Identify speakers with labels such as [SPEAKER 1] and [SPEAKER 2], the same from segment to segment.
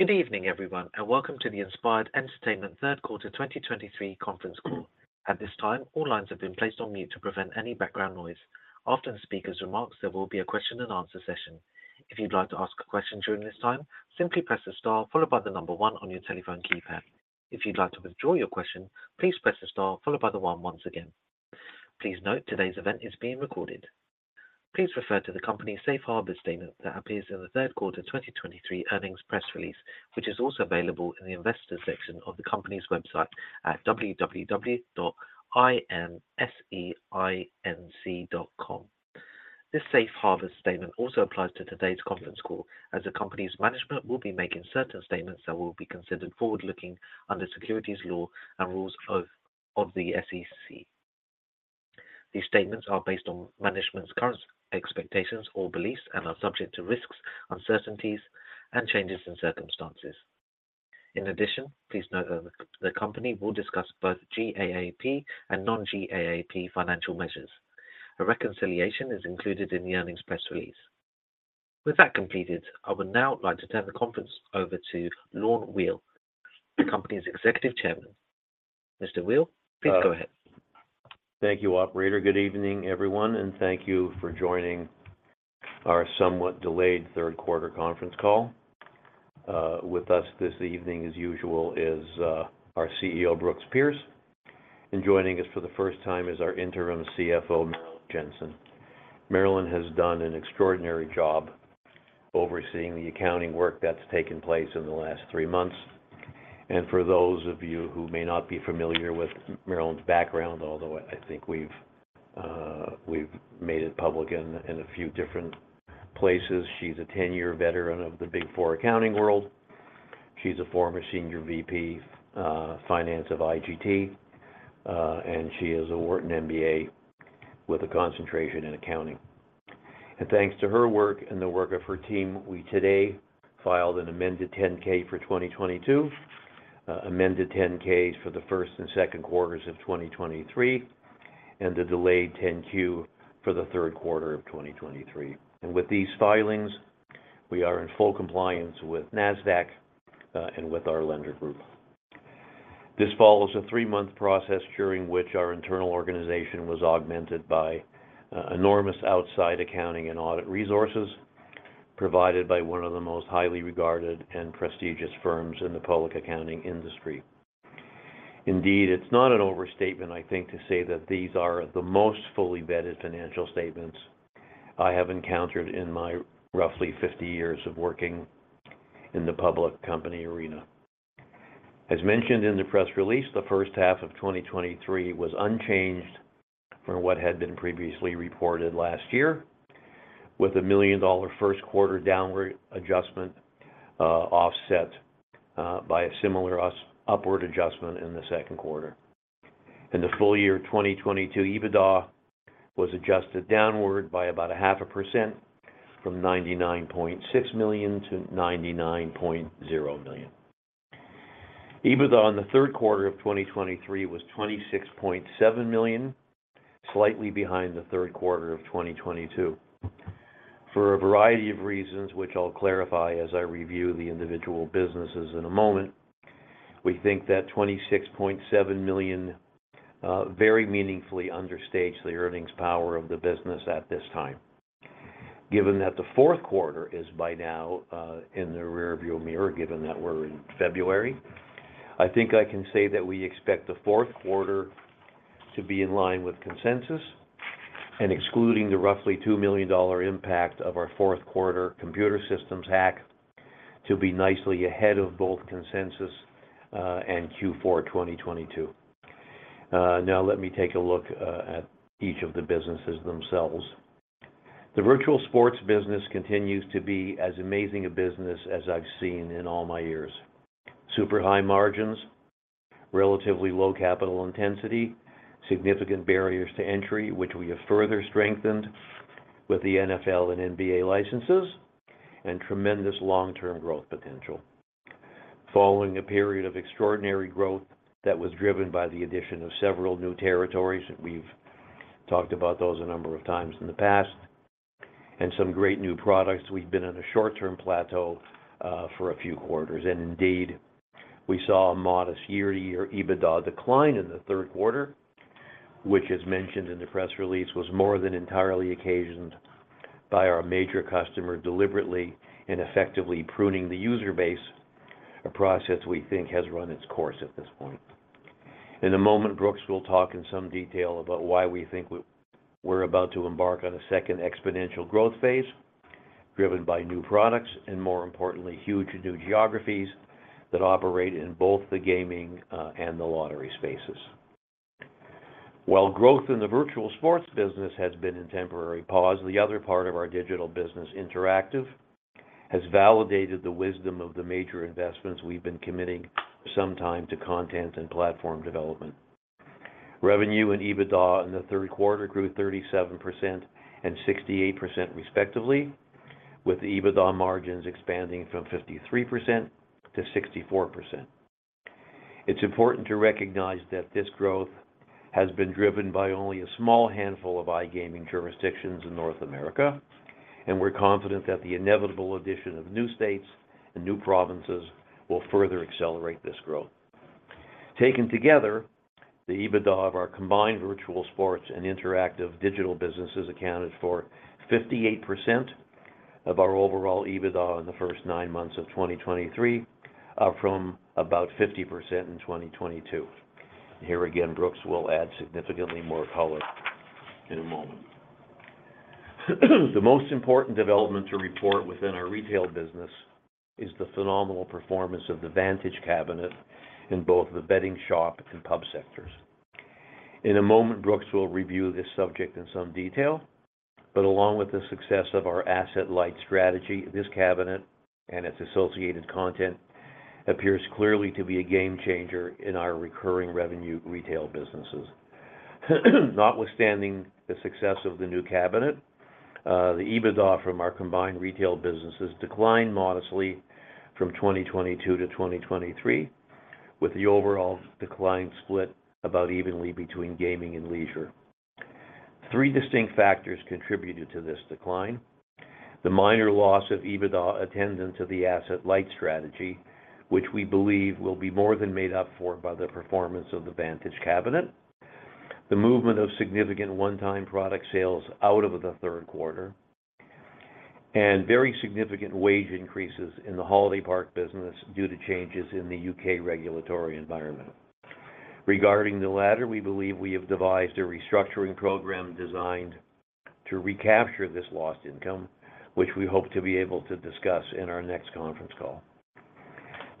[SPEAKER 1] Good evening, everyone, and welcome to the Inspired Entertainment third quarter 2023 conference call. At this time, all lines have been placed on mute to prevent any background noise. After the speaker's remarks, there will be a question and answer session. If you'd like to ask a question during this time, simply press the star followed by the number one on your telephone keypad. If you'd like to withdraw your question, please press the star followed by the one once again. Please note, today's event is being recorded. Please refer to the company's Safe Harbor statement that appears in the third quarter of 2023 earnings press release, which is also available in the investors section of the company's website at www.inseinc.com. This Safe Harbor statement also applies to today's conference call, as the company's management will be making certain statements that will be considered forward-looking under securities law and rules of the SEC. These statements are based on management's current expectations or beliefs and are subject to risks, uncertainties, and changes in circumstances. In addition, please note that the company will discuss both GAAP and non-GAAP financial measures. A reconciliation is included in the earnings press release. With that completed, I would now like to turn the conference over to Lorne Weil, the company's Executive Chairman. Mr. Weil, please go ahead.
[SPEAKER 2] Thank you, operator. Good evening, everyone, and thank you for joining our somewhat delayed third quarter conference call. With us this evening, as usual, is our CEO, Brooks Pierce, and joining us for the first time is our Interim CFO, Marilyn Jentzen. Marilyn has done an extraordinary job overseeing the accounting work that's taken place in the last three months. For those of you who may not be familiar with Marilyn's background, although I think we've made it public in a few different places, she's a 10-year veteran of the Big Four accounting world. She's a former Senior VP, Finance of IGT, and she is a Wharton MBA with a concentration in accounting. Thanks to her work and the work of her team, we today filed an amended 10-K for 2022, amended 10-K for the first and second quarters of 2023, and a delayed 10-Q for the third quarter of 2023. With these filings, we are in full compliance with NASDAQ, and with our lender group. This follows a three-month process during which our internal organization was augmented by enormous outside accounting and audit resources, provided by one of the most highly regarded and prestigious firms in the public accounting industry. Indeed, it's not an overstatement, I think, to say that these are the most fully vetted financial statements I have encountered in my roughly 50 years of working in the public company arena. As mentioned in the press release, the first half of 2023 was unchanged from what had been previously reported last year, with a $1 million first quarter downward adjustment, offset by a similar upward adjustment in the second quarter. In the full year of 2022, EBITDA was adjusted downward by about 0.5% from $99.6 million to $99.0 million. EBITDA in the third quarter of 2023 was $26.7 million, slightly behind the third quarter of 2022. For a variety of reasons, which I'll clarify as I review the individual businesses in a moment, we think that $26.7 million very meaningfully understates the earnings power of the business at this time. Given that the fourth quarter is by now in the rearview mirror, given that we're in February, I think I can say that we expect the fourth quarter to be in line with consensus and excluding the roughly $2 million impact of our fourth quarter computer systems hack to be nicely ahead of both consensus and Q4 2022. Now let me take a look at each of the businesses themselves. The Virtual Sports business continues to be as amazing a business as I've seen in all my years. Super high margins, relatively low capital intensity, significant barriers to entry, which we have further strengthened with the NFL and NBA licenses, and tremendous long-term growth potential. Following a period of extraordinary growth that was driven by the addition of several new territories, we've talked about those a number of times in the past, and some great new products, we've been on a short-term plateau for a few quarters, and indeed, we saw a modest year-to-year EBITDA decline in the third quarter, which, as mentioned in the press release, was more than entirely occasioned by our major customer deliberately and effectively pruning the user base, a process we think has run its course at this point. In a moment, Brooks will talk in some detail about why we think we're about to embark on a second exponential growth phase, driven by new products and, more importantly, huge new geographies that operate in both the gaming and the lottery spaces. While growth in the virtual sports business has been in temporary pause, the other part of our digital business, Interactive, has validated the wisdom of the major investments we've been committing some time to content and platform development. Revenue and EBITDA in the third quarter grew 37% and 68%, respectively, with the EBITDA margins expanding from 53%-64%. It's important to recognize that this growth has been driven by only a small handful of iGaming jurisdictions in North America, and we're confident that the inevitable addition of new states and new provinces will further accelerate this growth. Taken together, the EBITDA of our combined virtual sports and interactive digital businesses accounted for 58% of our overall EBITDA in the first nine months of 2023, from about 50% in 2022. Here again, Brooks will add significantly more color in a moment. The most important development to report within our retail business is the phenomenal performance of the Vantage Cabinet in both the betting shop and pub sectors. In a moment, Brooks will review this subject in some detail, but along with the success of our asset-light strategy, this cabinet and its associated content appears clearly to be a game changer in our recurring revenue retail businesses. Notwithstanding the success of the new cabinet, the EBITDA from our combined retail businesses declined modestly from 2022 to 2023, with the overall decline split about evenly between gaming and leisure. Three distinct factors contributed to this decline: the minor loss of EBITDA attendance of the asset-light strategy, which we believe will be more than made up for by the performance of the Vantage Cabinet, the movement of significant one-time product sales out of the third quarter, and very significant wage increases in the Holiday Park business due to changes in the U.K. regulatory environment. Regarding the latter, we believe we have devised a restructuring program designed to recapture this lost income, which we hope to be able to discuss in our next conference call.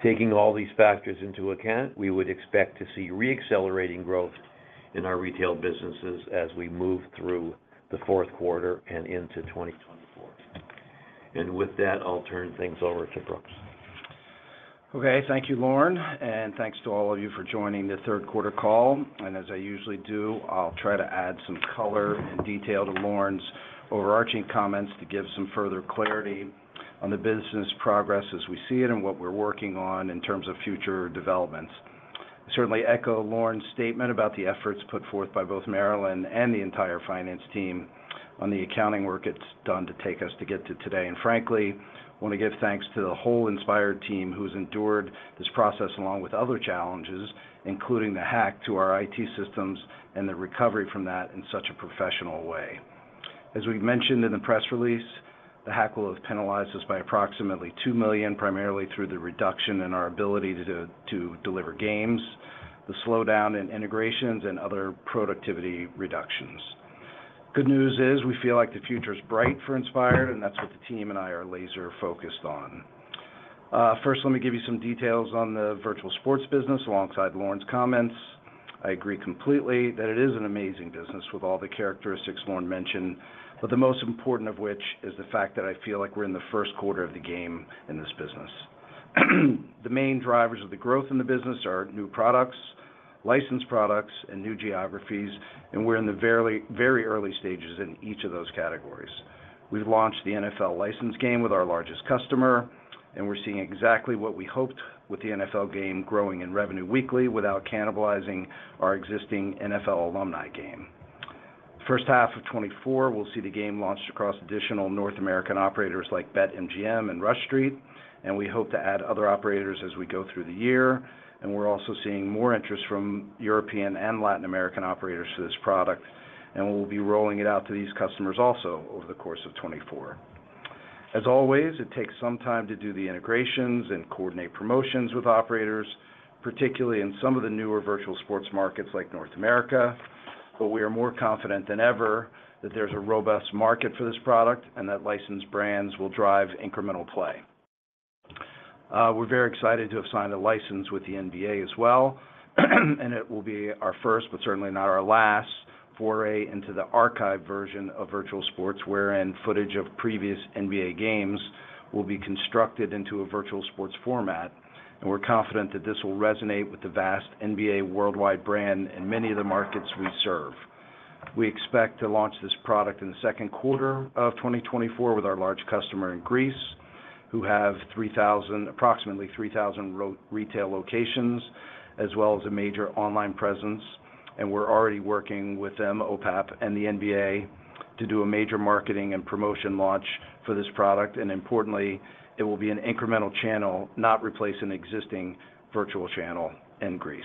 [SPEAKER 2] Taking all these factors into account, we would expect to see re-accelerating growth in our retail businesses as we move through the fourth quarter and into 2024. With that, I'll turn things over to Brooks.
[SPEAKER 3] Okay, thank you, Lorne, and thanks to all of you for joining the third quarter call. As I usually do, I'll try to add some color and detail to Lorne's overarching comments to give some further clarity on the business progress as we see it and what we're working on in terms of future developments. Certainly echo Lorne's statement about the efforts put forth by both Marilyn and the entire finance team on the accounting work it's done to take us to get to today. Frankly, I want to give thanks to the whole Inspired team who's endured this process, along with other challenges, including the hack to our IT systems and the recovery from that in such a professional way. As we've mentioned in the press release, the hack will have penalized us by approximately $2 million, primarily through the reduction in our ability to deliver games, the slowdown in integrations, and other productivity reductions. Good news is, we feel like the future is bright for Inspired, and that's what the team and I are laser-focused on. First, let me give you some details on the virtual sports business alongside Lorne's comments. I agree completely that it is an amazing business with all the characteristics Lorne mentioned, but the most important of which is the fact that I feel like we're in the first quarter of the game in this business. The main drivers of the growth in the business are new products, licensed products, and new geographies, and we're in the very, very early stages in each of those categories. We've launched the NFL licensed game with our largest customer, and we're seeing exactly what we hoped with the NFL game growing in revenue weekly without cannibalizing our existing NFL alumni game. First half of 2024, we'll see the game launched across additional North American operators like BetMGM and Rush Street, and we hope to add other operators as we go through the year. We're also seeing more interest from European and Latin American operators to this product, and we'll be rolling it out to these customers also over the course of 2024. As always, it takes some time to do the integrations and coordinate promotions with operators, particularly in some of the newer virtual sports markets like North America, but we are more confident than ever that there's a robust market for this product and that licensed brands will drive incremental play. We're very excited to have signed a license with the NBA as well, and it will be our first, but certainly not our last, foray into the archive version of virtual sports, wherein footage of previous NBA games will be constructed into a virtual sports format. And we're confident that this will resonate with the vast NBA worldwide brand in many of the markets we serve. We expect to launch this product in the second quarter of 2024 with our large customer in Greece, who have 3,000- approximately 3,000 retail locations, as well as a major online presence, and we're already working with them, OPAP and the NBA, to do a major marketing and promotion launch for this product. And importantly, it will be an incremental channel, not replacing an existing virtual channel in Greece.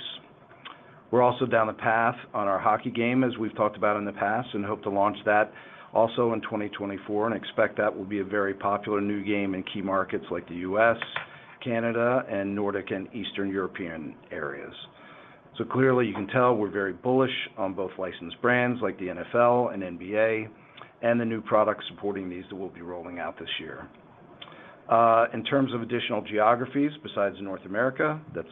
[SPEAKER 3] We're also down a path on our hockey game, as we've talked about in the past, and hope to launch that also in 2024, and expect that will be a very popular new game in key markets like the U.S., Canada, and Nordic and Eastern European areas. So clearly, you can tell we're very bullish on both licensed brands like the NFL and NBA, and the new products supporting these that we'll be rolling out this year. In terms of additional geographies, besides North America, that's,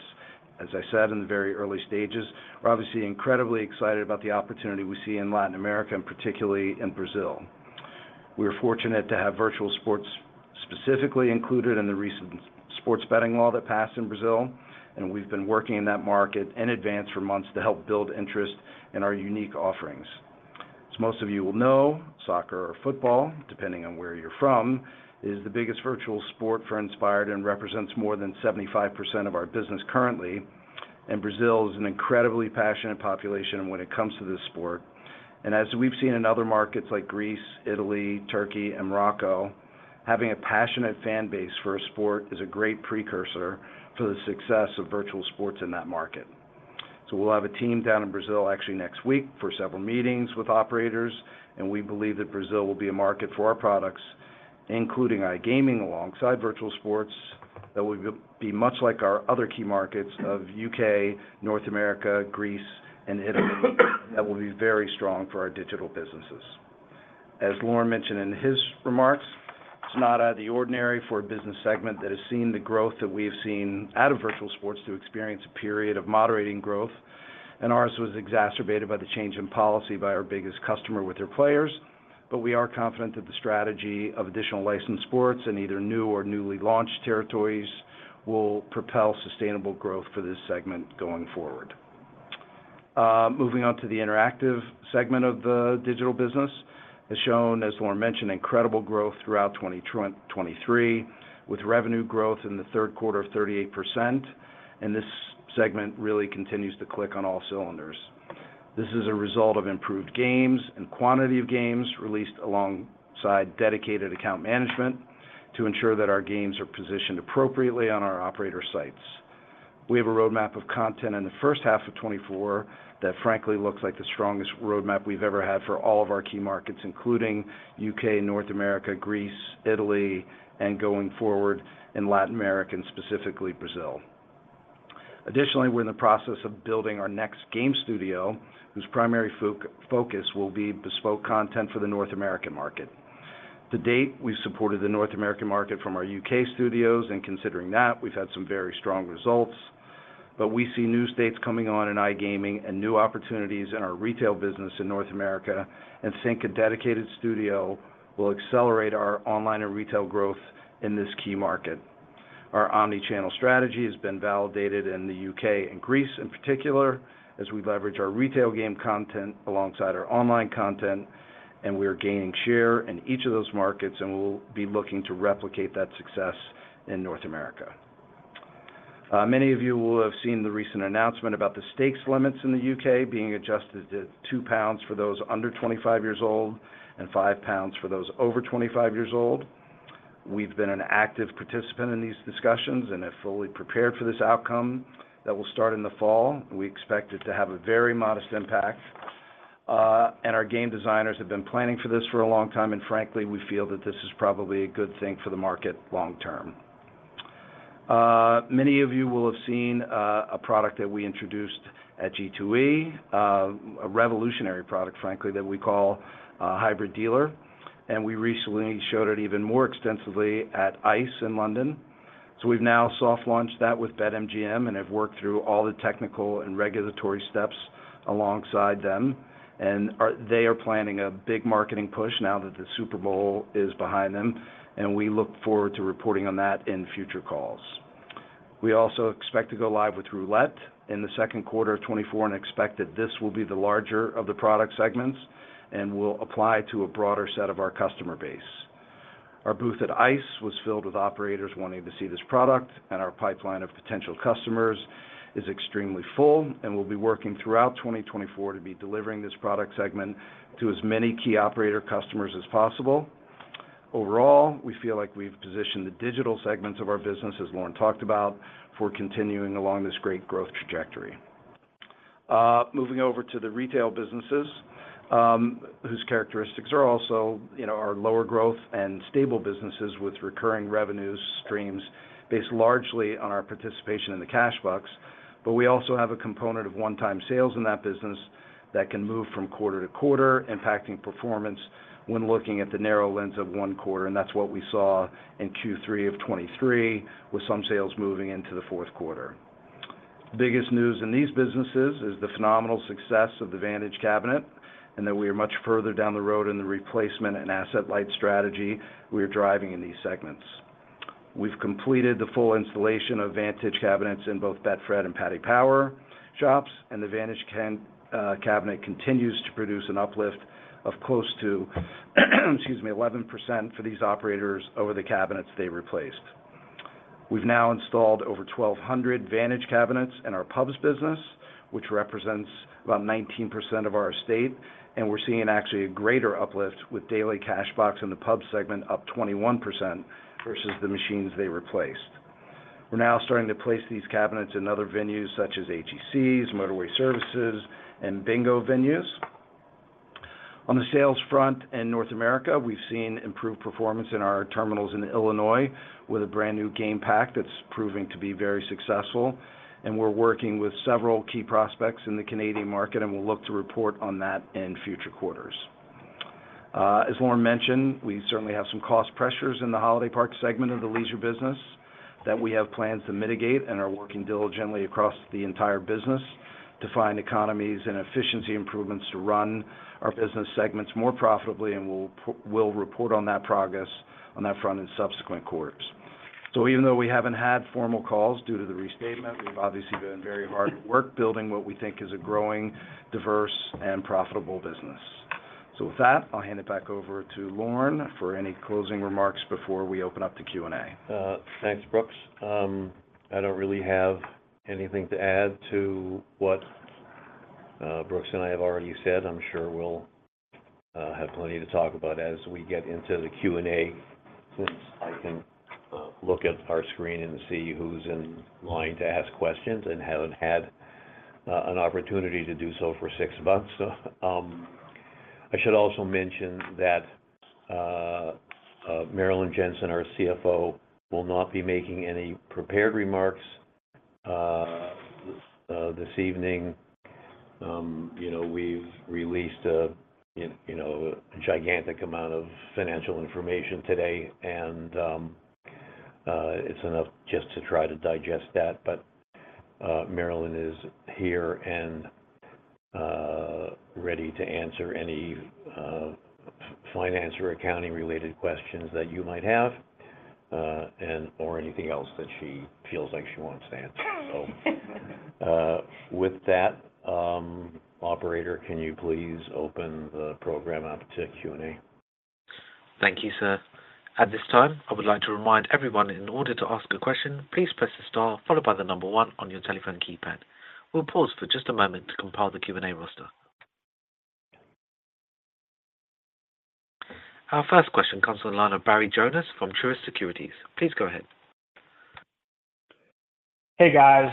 [SPEAKER 3] as I said, in the very early stages, we're obviously incredibly excited about the opportunity we see in Latin America, and particularly in Brazil. We are fortunate to have virtual sports specifically included in the recent sports betting law that passed in Brazil, and we've been working in that market in advance for months to help build interest in our unique offerings.... As most of you will know, soccer or football, depending on where you're from, is the biggest virtual sport for Inspired, and represents more than 75% of our business currently. And Brazil is an incredibly passionate population when it comes to this sport. And as we've seen in other markets like Greece, Italy, Turkey, and Morocco, having a passionate fan base for a sport is a great precursor for the success of virtual sports in that market. So we'll have a team down in Brazil, actually, next week for several meetings with operators, and we believe that Brazil will be a market for our products, including iGaming, alongside virtual sports, that will be much like our other key markets of U.K., North America, Greece, and Italy, that will be very strong for our digital businesses. As Lorne mentioned in his remarks, it's not out of the ordinary for a business segment that has seen the growth that we've seen out of virtual sports, to experience a period of moderating growth, and ours was exacerbated by the change in policy by our biggest customer with their players. But we are confident that the strategy of additional licensed sports in either new or newly launched territories will propel sustainable growth for this segment going forward. Moving on to the interactive segment of the digital business. As shown, as Lorne mentioned, incredible growth throughout 2023, with revenue growth in the third quarter of 38%, and this segment really continues to click on all cylinders. This is a result of improved games and quantity of games released alongside dedicated account management, to ensure that our games are positioned appropriately on our operator sites. We have a roadmap of content in the first half of 2024, that frankly, looks like the strongest roadmap we've ever had for all of our key markets, including U.K., North America, Greece, Italy, and going forward, in Latin America, and specifically Brazil. Additionally, we're in the process of building our next game studio, whose primary focus will be bespoke content for the North American market. To date, we've supported the North American market from our U.K. studios, and considering that, we've had some very strong results. But we see new states coming on in iGaming and new opportunities in our retail business in North America, and think a dedicated studio will accelerate our online and retail growth in this key market. Our omni-channel strategy has been validated in the U.K. and Greece, in particular, as we leverage our retail game content alongside our online content, and we are gaining share in each of those markets, and we'll be looking to replicate that success in North America. Many of you will have seen the recent announcement about the stakes limits in the U.K. being adjusted to 2 pounds for those under 25 years old and 5 pounds for those over 25 years old. We've been an active participant in these discussions and are fully prepared for this outcome that will start in the fall. We expect it to have a very modest impact, and our game designers have been planning for this for a long time, and frankly, we feel that this is probably a good thing for the market long term. Many of you will have seen a product that we introduced at G2E, a revolutionary product, frankly, that we call Hybrid Dealer, and we recently showed it even more extensively at ICE in London. So we've now soft launched that with BetMGM and have worked through all the technical and regulatory steps alongside them, and are, they are planning a big marketing push now that the Super Bowl is behind them, and we look forward to reporting on that in future calls. We also expect to go live with roulette in the second quarter of 2024, and expect that this will be the larger of the product segments and will apply to a broader set of our customer base. Our booth at ICE was filled with operators wanting to see this product, and our pipeline of potential customers is extremely full, and we'll be working throughout 2024 to be delivering this product segment to as many key operator customers as possible. Overall, we feel like we've positioned the digital segments of our business, as Lorne talked about, for continuing along this great growth trajectory. Moving over to the retail businesses, whose characteristics are also, you know, are lower growth and stable businesses with recurring revenues, streams based largely on our participation in the cash box. But we also have a component of one-time sales in that business that can move from quarter to quarter, impacting performance when looking at the narrow lens of one quarter, and that's what we saw in Q3 of 2023, with some sales moving into the fourth quarter. The biggest news in these businesses is the phenomenal success of the Vantage Cabinet, and that we are much further down the road in the replacement and asset-light strategy we are driving in these segments. We've completed the full installation of Vantage Cabinets in both Betfred and Paddy Power shops, and the Vantage Cabinet continues to produce an uplift of close to, excuse me, 11% for these operators over the cabinets they replaced. We've now installed over 1,200 Vantage Cabinets in our pubs business, which represents about 19% of our estate, and we're seeing actually a greater uplift with daily cash box in the pub segment, up 21% versus the machines they replaced. We're now starting to place these cabinets in other venues such as AGCs, motorway services, and bingo venues. On the sales front in North America, we've seen improved performance in our terminals in Illinois with a brand-new game pack that's proving to be very successful, and we're working with several key prospects in the Canadian market, and we'll look to report on that in future quarters. As Lorne mentioned, we certainly have some cost pressures in the Holiday Park segment of the leisure business that we have plans to mitigate and are working diligently across the entire business to find economies and efficiency improvements to run our business segments more profitably, and we'll report on that progress on that front in subsequent quarters. Even though we haven't had formal calls due to the restatement, we've obviously been very hard at work building what we think is a growing, diverse, and profitable business. With that, I'll hand it back over to Lorne for any closing remarks before we open up to Q&A.
[SPEAKER 2] Thanks, Brooks. I don't really have anything to add to what Brooks and I have already said. I'm sure we'll have plenty to talk about as we get into the Q&A, since I can look at our screen and see who's in line to ask questions and haven't had an opportunity to do so for six months. I should also mention that Marilyn Jentzen, our CFO, will not be making any prepared remarks this evening. You know, we've released a you know, a gigantic amount of financial information today, and it's enough just to try to digest that. But Marilyn is here and ready to answer any finance or accounting-related questions that you might have, and or anything else that she feels like she wants to answer.
[SPEAKER 4] Hi.
[SPEAKER 2] With that, operator, can you please open the program up to Q&A?
[SPEAKER 1] Thank you, sir. At this time, I would like to remind everyone, in order to ask a question, please press star followed by the number one on your telephone keypad. We'll pause for just a moment to compile the Q&A roster. Our first question comes from the line of Barry Jonas from Truist Securities. Please go ahead.
[SPEAKER 5] Hey, guys.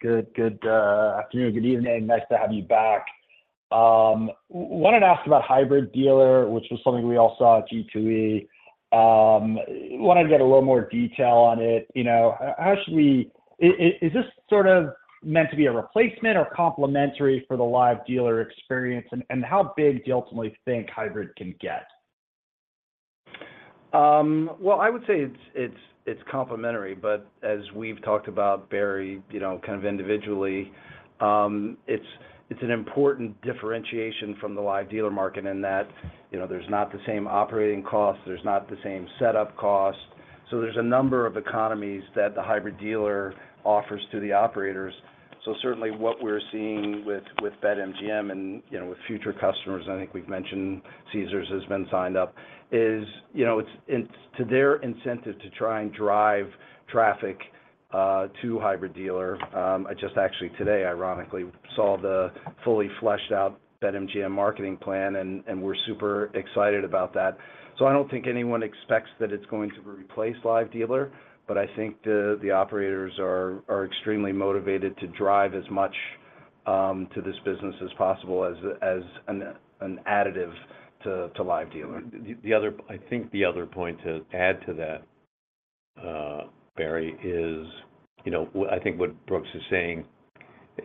[SPEAKER 5] Good afternoon, good evening. Nice to have you back. Wanted to ask about Hybrid Dealer, which was something we all saw at G2E. Wanted to get a little more detail on it. You know, actually, is this sort of meant to be a replacement or complementary for the live dealer experience? And how big do you ultimately think Hybrid can get?
[SPEAKER 3] Well, I would say it's complementary, but as we've talked about, Barry, you know, kind of individually, it's an important differentiation from the live dealer market in that, you know, there's not the same operating costs, there's not the same setup costs. So there's a number of economies that the Hybrid Dealer offers to the operators. So certainly what we're seeing with BetMGM and, you know, with future customers, I think we've mentioned Caesars has been signed up, is, you know, it's to their incentive to try and drive traffic to Hybrid Dealer. I just actually today, ironically, saw the fully fleshed out BetMGM marketing plan, and we're super excited about that. So I don't think anyone expects that it's going to replace Live Dealer, but I think the operators are extremely motivated to drive as much to this business as possible as an additive to Live Dealer.
[SPEAKER 2] The other point to add to that, Barry, is, you know, I think what Brooks is saying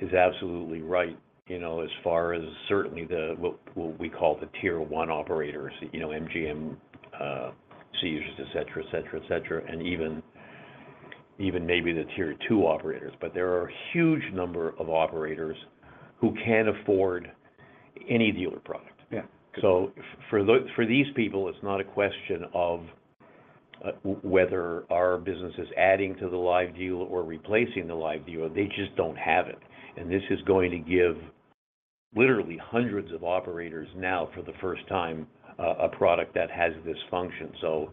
[SPEAKER 2] is absolutely right, you know, as far as certainly what we call the tier one operators, you know, MGM, Caesars, et cetera, et cetera, et cetera, and even maybe the tier two operators. But there are a huge number of operators who can't afford any dealer product.
[SPEAKER 3] Yeah.
[SPEAKER 2] So for these people, it's not a question of whether our business is adding to the live dealer or replacing the live dealer, they just don't have it. And this is going to give literally hundreds of operators now, for the first time, a product that has this function. So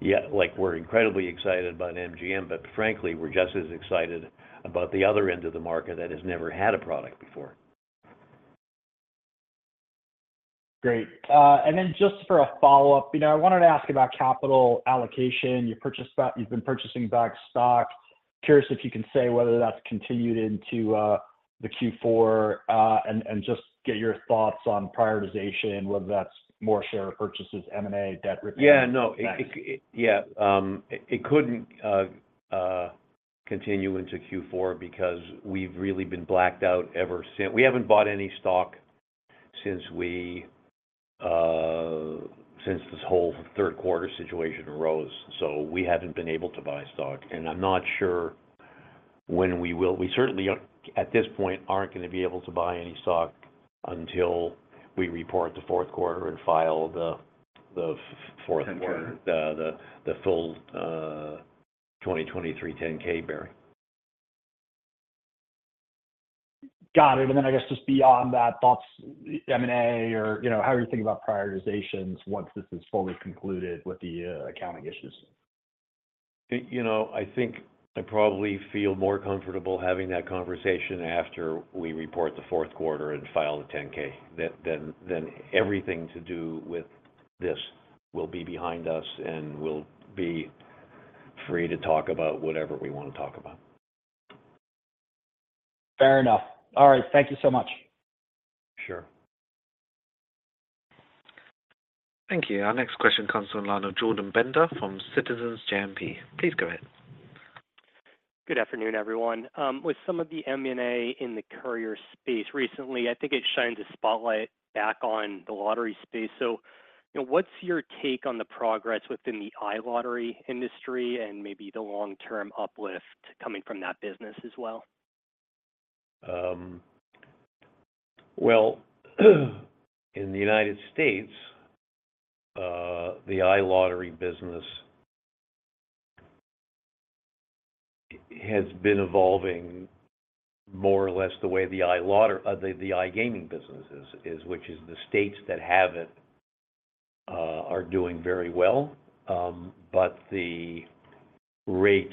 [SPEAKER 2] yeah, like, we're incredibly excited about MGM, but frankly, we're just as excited about the other end of the market that has never had a product before.
[SPEAKER 5] Great. And then just for a follow-up, you know, I wanted to ask about capital allocation. You purchased back. You've been purchasing back stock. Curious if you can say whether that's continued into the Q4, and just get your thoughts on prioritization, whether that's more share purchases, M&A, debt repayment.
[SPEAKER 2] Yeah, no.
[SPEAKER 5] Thanks.
[SPEAKER 2] Yeah. It couldn't continue into Q4 because we've really been blacked out ever since. We haven't bought any stock since this whole third quarter situation arose, so we haven't been able to buy stock, and I'm not sure when we will. We certainly, at this point, aren't going to be able to buy any stock until we report the fourth quarter and file the fourth-
[SPEAKER 3] 10-K...
[SPEAKER 2] the full 2023 10-K, Barry.
[SPEAKER 5] Got it. And then I guess just beyond that, thoughts, M&A or, you know, how are you thinking about prioritizations once this is fully concluded with the accounting issues?
[SPEAKER 2] You know, I think I probably feel more comfortable having that conversation after we report the fourth quarter and file the 10-K. Then, everything to do with this will be behind us, and we'll be free to talk about whatever we want to talk about.
[SPEAKER 5] Fair enough. All right. Thank you so much.
[SPEAKER 2] Sure.
[SPEAKER 1] Thank you. Our next question comes from the line of Jordan Bender from Citizens JMP. Please go ahead.
[SPEAKER 6] Good afternoon, everyone. With some of the M&A in the gaming space recently, I think it shines a spotlight back on the lottery space. You know, what's your take on the progress within the iLottery industry and maybe the long-term uplift coming from that business as well? ...
[SPEAKER 2] Well, in the United States, the iLottery business has been evolving more or less the way the iGaming business is, which is the states that have it are doing very well. But the rate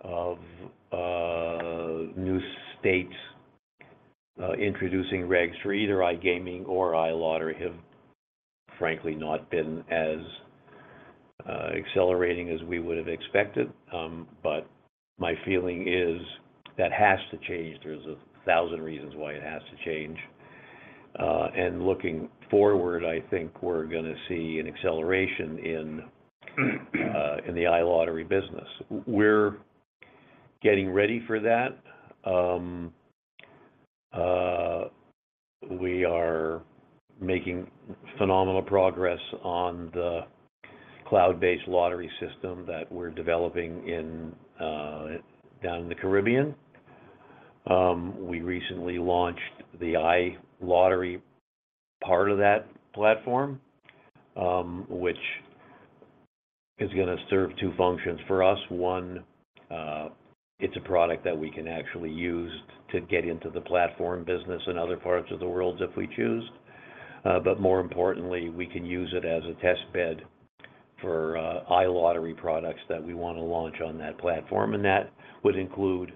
[SPEAKER 2] of new states introducing regs for either iGaming or iLottery have, frankly, not been as accelerating as we would have expected. But my feeling is, that has to change. There's a thousand reasons why it has to change. And looking forward, I think we're gonna see an acceleration in the iLottery business. We're getting ready for that. We are making phenomenal progress on the cloud-based lottery system that we're developing down in the Caribbean. We recently launched the iLottery part of that platform, which is gonna serve two functions for us. One, it's a product that we can actually use to get into the platform business in other parts of the world, if we choose. But more importantly, we can use it as a test bed for iLottery products that we wanna launch on that platform, and that would include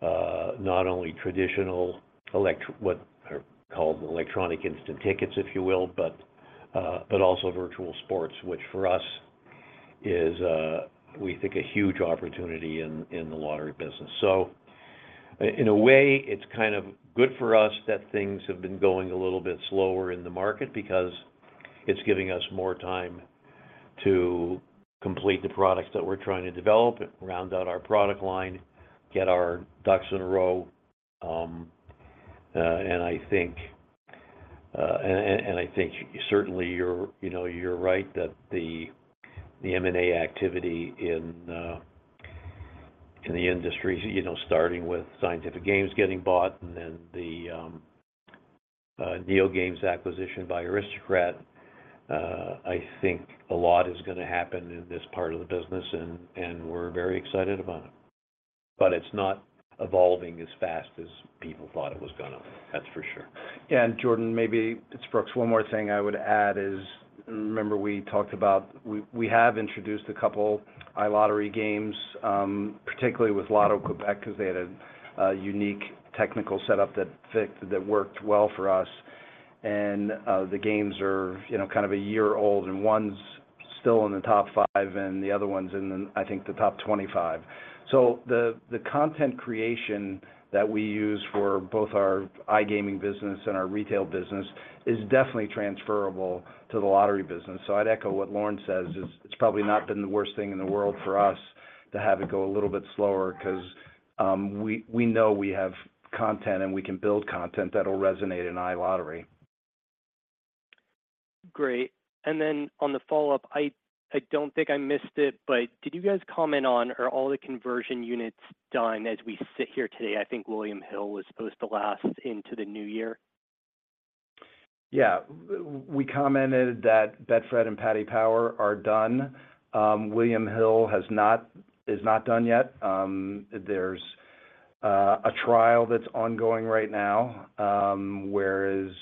[SPEAKER 2] not only traditional electronic instant tickets, if you will, but also Virtual Sports, which for us is we think a huge opportunity in the lottery business. So in a way, it's kind of good for us that things have been going a little bit slower in the market because it's giving us more time to complete the products that we're trying to develop and round out our product line, get our ducks in a row. And I think certainly you're, you know, you're right that the M&A activity in the industry, you know, starting with Scientific Games getting bought and then the NeoGames acquisition by Aristocrat, I think a lot is gonna happen in this part of the business, and we're very excited about it. But it's not evolving as fast as people thought it was gonna, that's for sure.
[SPEAKER 3] Jordan, maybe it's Brooks. One more thing I would add is, remember we have introduced a couple iLottery games, particularly with Loto-Québec, 'cause they had a unique technical setup that fit, that worked well for us, and the games are, you know, kind of a year old, and one's still in the top five, and the other one's in, I think, the top 25. So the content creation that we use for both our iGaming business and our retail business is definitely transferable to the lottery business. So I'd echo what Lorne says, is it's probably not been the worst thing in the world for us to have it go a little bit slower 'cause we know we have content, and we can build content that'll resonate in iLottery.
[SPEAKER 6] Great. And then on the follow-up, I don't think I missed it, but did you guys comment on, are all the conversion units done as we sit here today? I think William Hill was supposed to last into the new year.
[SPEAKER 3] Yeah. We commented that Betfred and Paddy Power are done. William Hill has not... is not done yet. There's a trial that's ongoing right now, wherein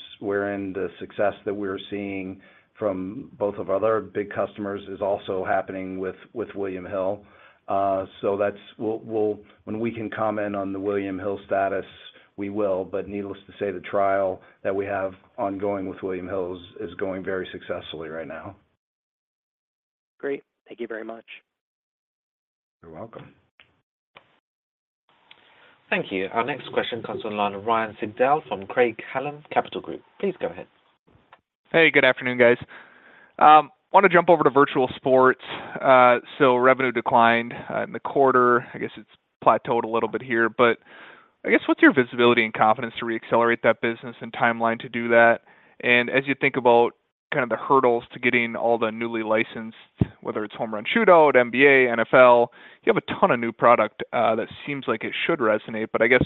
[SPEAKER 3] the success that we're seeing from both of our other big customers is also happening with William Hill. So that's... We'll when we can comment on the William Hill status, we will, but needless to say, the trial that we have ongoing with William Hill is going very successfully right now.
[SPEAKER 6] Great. Thank you very much.
[SPEAKER 3] You're welcome.
[SPEAKER 1] Thank you. Our next question comes from the line of Ryan Sigdahl from Craig-Hallum Capital Group. Please go ahead.
[SPEAKER 7] Hey, good afternoon, guys. Want to jump over to Virtual Sports. So revenue declined in the quarter. I guess it's plateaued a little bit here, but I guess, what's your visibility and confidence to reaccelerate that business and timeline to do that? And as you think about kind of the hurdles to getting all the newly licensed, whether it's Home Run Shootout, NBA, NFL, you have a ton of new product that seems like it should resonate, but I guess,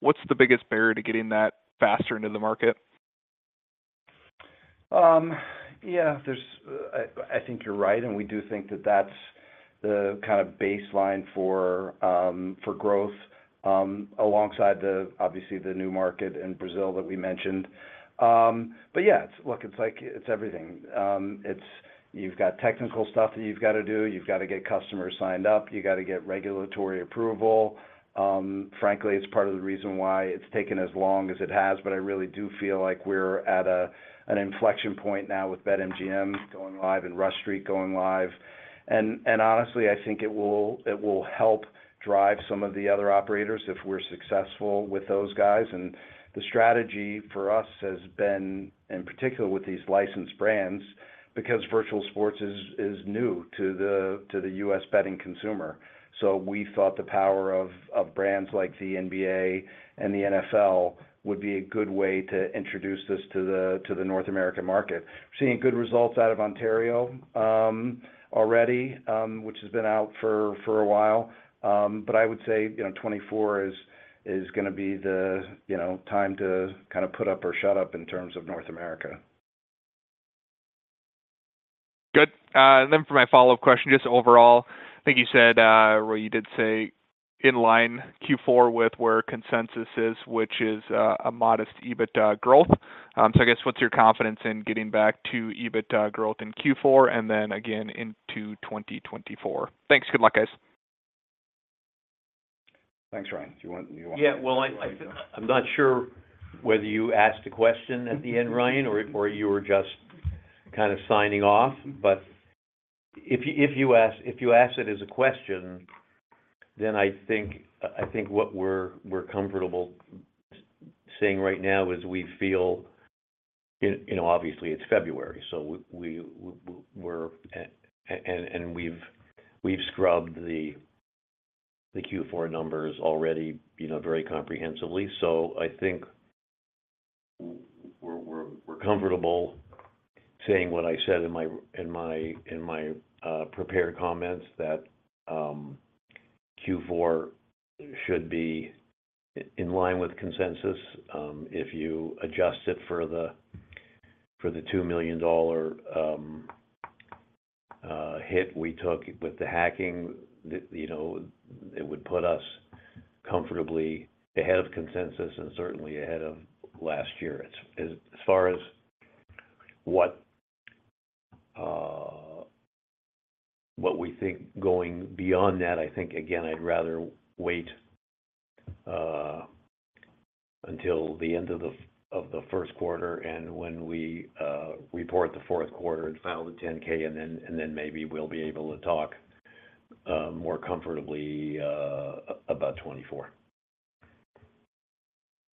[SPEAKER 7] what's the biggest barrier to getting that faster into the market?
[SPEAKER 3] Yeah, there's... I think you're right, and we do think that that's the kind of baseline for growth, alongside the, obviously, the new market in Brazil that we mentioned. But yeah, look, it's like, it's everything. You've got technical stuff that you've got to do. You've got to get customers signed up. You've got to get regulatory approval. Frankly, it's part of the reason why it's taken as long as it has, but I really do feel like we're at an inflection point now with BetMGM going live and Rush Street going live. And honestly, I think it will help drive some of the other operators if we're successful with those guys. The strategy for us has been, in particular with these licensed brands, because virtual sports is new to the U.S. betting consumer. So we thought the power of brands like the NBA and the NFL would be a good way to introduce this to the North American market. We're seeing good results out of Ontario already, which has been out for a while. I would say, you know, 2024 is gonna be the, you know, time to kind of put up or shut up in terms of North America....
[SPEAKER 7] Good. And then for my follow-up question, just overall, I think you said, or you did say in line Q4 with where consensus is, which is, a modest EBIT growth. So I guess, what's your confidence in getting back to EBIT growth in Q4, and then again into 2024? Thanks. Good luck, guys.
[SPEAKER 3] Thanks, Ryan. Do you want-
[SPEAKER 2] Yeah, well, I'm not sure whether you asked a question at the end, Ryan, or you were just kind of signing off, but if you asked it as a question, then I think what we're comfortable saying right now is we feel, you know, obviously it's February, so we're and we've scrubbed the Q4 numbers already, you know, very comprehensively. So I think we're comfortable saying what I said in my prepared comments, that Q4 should be in line with consensus. If you adjust it for the $2 million hit we took with the hacking, you know, it would put us comfortably ahead of consensus and certainly ahead of last year. As far as what we think going beyond that, I think, again, I'd rather wait until the end of the first quarter and when we report the fourth quarter and file the 10-K, and then maybe we'll be able to talk more comfortably about 2024.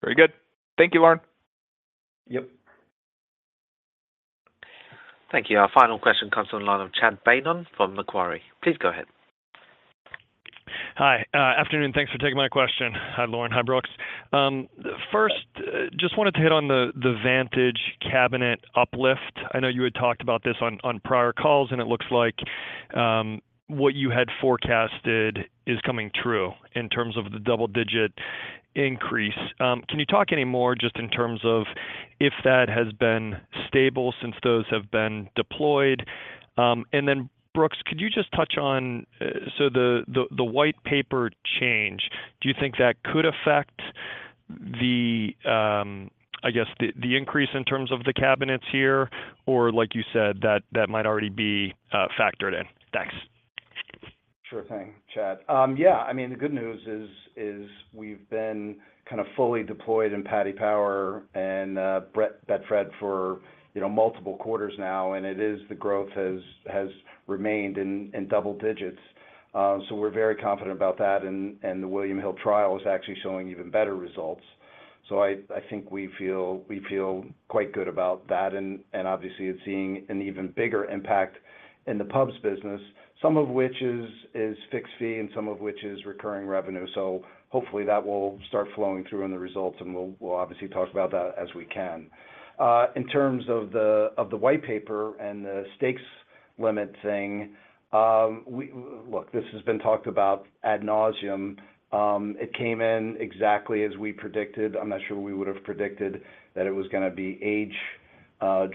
[SPEAKER 7] Very good. Thank you, Lorne.
[SPEAKER 2] Yep.
[SPEAKER 1] Thank you. Our final question comes from the line of Chad Beynon from Macquarie. Please go ahead.
[SPEAKER 8] Hi. Afternoon. Thanks for taking my question. Hi, Lorne. Hi, Brooks. First, just wanted to hit on the Vantage cabinet uplift. I know you had talked about this on prior calls, and it looks like what you had forecasted is coming true in terms of the double-digit increase. Can you talk any more just in terms of if that has been stable since those have been deployed? And then, Brooks, could you just touch on... So the white paper change, do you think that could affect the, I guess, the increase in terms of the cabinets here? Or like you said, that might already be factored in. Thanks.
[SPEAKER 3] Sure thing, Chad. Yeah, I mean, the good news is we've been kind of fully deployed in Paddy Power and Betfred for, you know, multiple quarters now, and the growth has remained in double digits. So we're very confident about that, and the William Hill trial is actually showing even better results. So I think we feel quite good about that, and obviously it's seeing an even bigger impact in the pubs business, some of which is fixed fee and some of which is recurring revenue. So hopefully that will start flowing through in the results, and we'll obviously talk about that as we can. In terms of the white paper and the stakes limit thing, look, this has been talked about ad nauseam. It came in exactly as we predicted. I'm not sure we would have predicted that it was gonna be age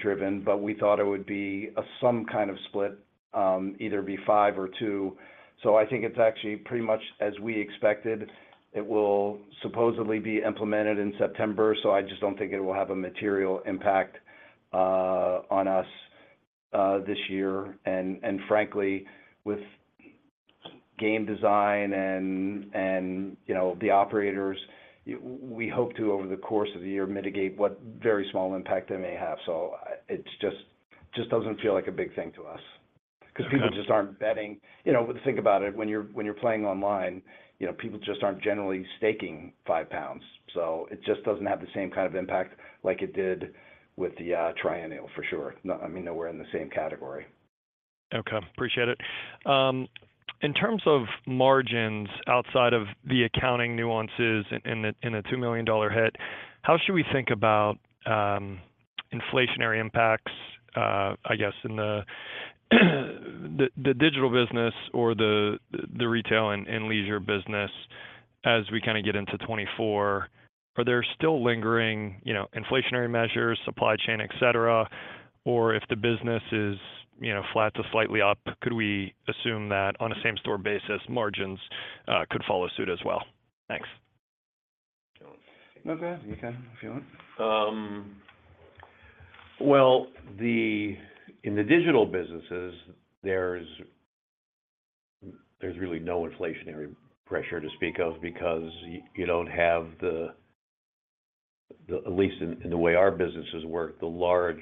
[SPEAKER 3] driven, but we thought it would be some kind of split, either be 5 or 2. So I think it's actually pretty much as we expected. It will supposedly be implemented in September, so I just don't think it will have a material impact on us this year. And frankly, with game design and, you know, the operators, we hope to, over the course of the year, mitigate what very small impact it may have. So it just doesn't feel like a big thing to us-
[SPEAKER 8] Okay...
[SPEAKER 3] 'cause people just aren't betting. You know, think about it, when you're, when you're playing online, you know, people just aren't generally staking 5 pounds, so it just doesn't have the same kind of impact like it did with the Triennial for sure. No, I mean, they're in the same category.
[SPEAKER 8] Okay, appreciate it. In terms of margins, outside of the accounting nuances in the $2 million hit, how should we think about inflationary impacts, I guess, in the digital business or the retail and leisure business as we kind of get into 2024? Are there still lingering, you know, inflationary measures, supply chain, etc.? Or if the business is, you know, flat to slightly up, could we assume that on a same-store basis, margins could follow suit as well? Thanks.
[SPEAKER 3] No, go ahead. You can, if you want.
[SPEAKER 2] Well, in the digital businesses, there's really no inflationary pressure to speak of because you don't have the, at least in the way our businesses work, the large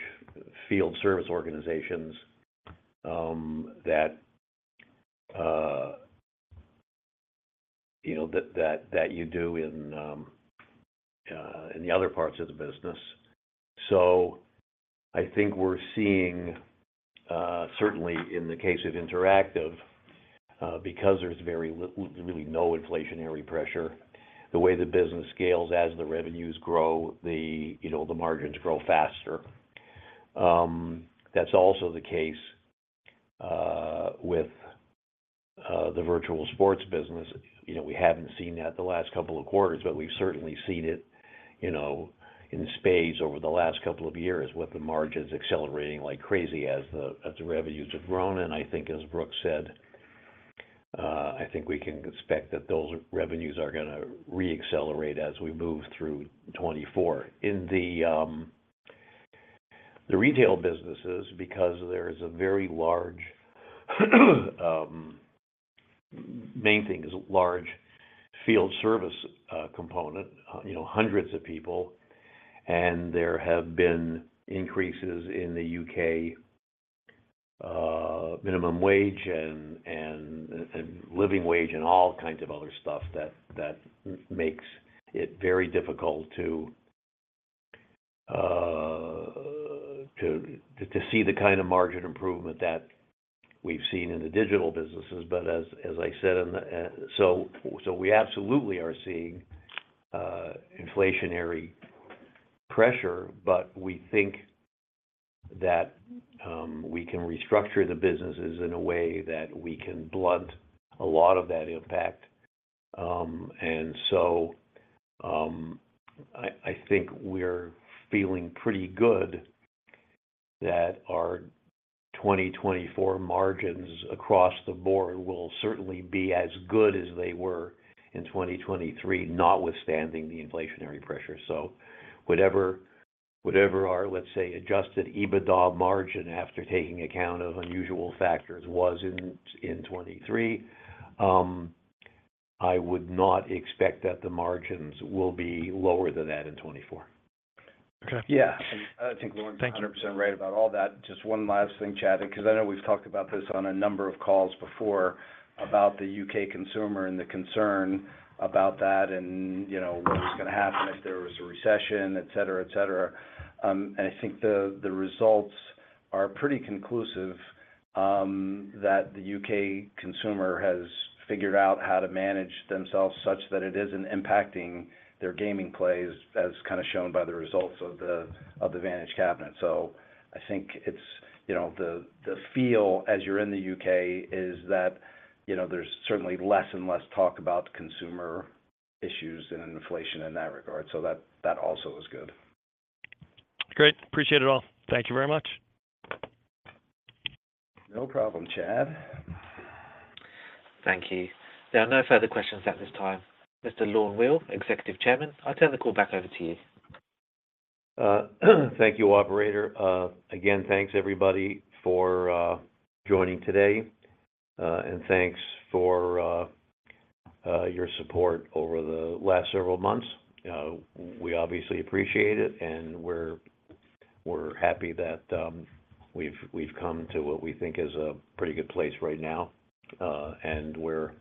[SPEAKER 2] field service organizations, you know, that you do in the other parts of the business. So I think we're seeing certainly in the case of interactive, because there's really no inflationary pressure, the way the business scales as the revenues grow, you know, the margins grow faster. That's also the case with the virtual sports business, you know, we haven't seen that the last couple of quarters, but we've certainly seen it, you know, in spades over the last couple of years, with the margins accelerating like crazy as the revenues have grown. And I think, as Brooks said, I think we can expect that those revenues are gonna re-accelerate as we move through 2024. In the retail businesses, because there is a very large main thing is a large field service component, you know, hundreds of people, and there have been increases in the U.K. minimum wage and living wage and all kinds of other stuff that makes it very difficult to see the kind of margin improvement that we've seen in the digital businesses. But as I said in the, so we absolutely are seeing inflationary pressure, but we think that we can restructure the businesses in a way that we can blunt a lot of that impact. And so, I think we're feeling pretty good that our 2024 margins across the board will certainly be as good as they were in 2023, notwithstanding the inflationary pressure. So whatever our, let's say, adjusted EBITDA margin, after taking account of unusual factors, was in 2023, I would not expect that the margins will be lower than that in 2024.
[SPEAKER 8] Okay.
[SPEAKER 3] Yeah. I think Lorne-
[SPEAKER 8] Thank you...
[SPEAKER 3] are 100% right about all that. Just one last thing, Chad, because I know we've talked about this on a number of calls before, about the U.K. consumer and the concern about that, and, you know, what was gonna happen if there was a recession, et cetera, et cetera. And I think the results are pretty conclusive that the U.K. consumer has figured out how to manage themselves such that it isn't impacting their gaming plays, as kind of shown by the results of the Vantage Cabinet. So I think it's, you know, the feel as you're in the U.K. is that, you know, there's certainly less and less talk about consumer issues and inflation in that regard. So that also is good.
[SPEAKER 8] Great. Appreciate it all. Thank you very much.
[SPEAKER 3] No problem, Chad.
[SPEAKER 1] Thank you. There are no further questions at this time. Mr. Lorne Weil, Executive Chairman, I turn the call back over to you.
[SPEAKER 2] Thank you, operator. Again, thanks, everybody, for joining today. And thanks for your support over the last several months. We obviously appreciate it, and we're happy that we've come to what we think is a pretty good place right now. And we're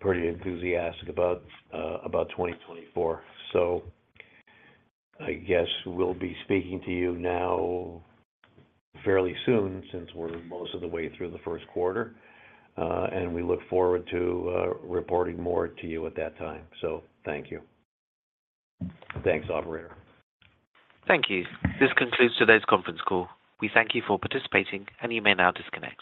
[SPEAKER 2] pretty enthusiastic about 2024. So I guess we'll be speaking to you now fairly soon, since we're most of the way through the first quarter, and we look forward to reporting more to you at that time. So thank you. Thanks, operator.
[SPEAKER 1] Thank you. This concludes today's conference call. We thank you for participating, and you may now disconnect.